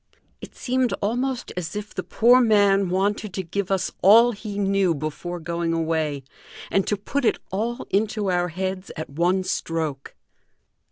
It seemed almost as if the poor man wanted to give us all he knew before going away, and to put it all into our heads at one stroke.